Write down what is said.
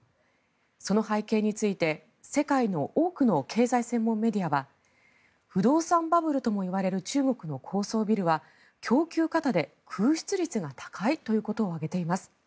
その背景について世界の多くの経済専門メディアは不動産バブルともいわれる中国の高層ビルは供給過多で空室率が高いということを挙げています。